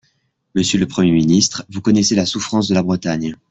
Monsieur le Premier Ministre, vous connaissez la souffrance de la Bretagne.